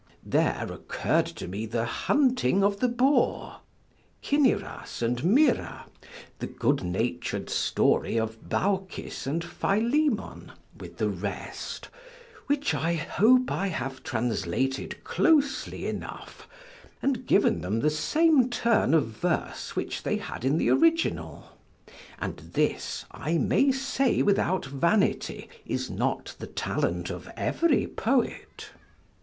There occurred to me the Hunting of the Boar, Cinyras and Myrrha, the good natur'd story of Baucis and Philemon, with the rest, which I hope I have translated closely enough, and given them the same turn of verse which they had in the original; and this, I may say without vanity, is not the talent of every poet.